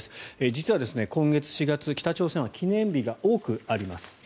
実は今月、４月北朝鮮は記念日が多くあります。